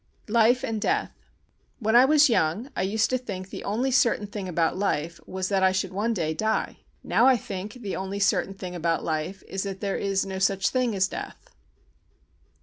Life and Death When I was young I used to think the only certain thing about life was that I should one day die. Now I think the only certain thing about life is that there is no such thing as death.